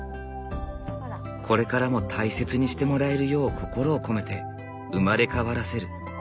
これからも大切にしてもらえるよう心を込めて生まれ変わらせる。